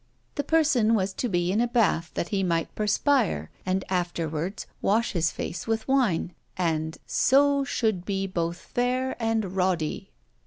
The person was to be in a bath that he might perspire, and afterwards wash his face with wine, and "so should be both faire and roddy."